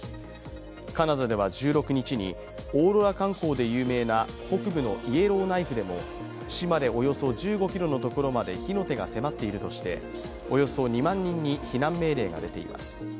カナダでは１６日に、オーロラ観光で有名な北部のイエローナイフでも市までおよそ１５ｋｍのところまで火の手が迫っているとしておよそ２万人に避難命令が出ています。